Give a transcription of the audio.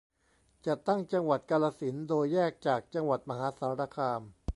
จัดตั้งจังหวัดกาฬสินธุ์ โดยแยกจากจังหวัดมหาสารคาม